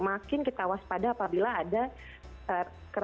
makin kita waspada apabila ada